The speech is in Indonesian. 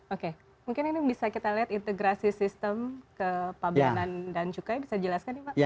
oke mungkin ini bisa kita lihat integrasi sistem ke pabanan dan cukai bisa dijelaskan nih pak